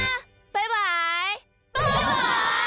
バイバイ！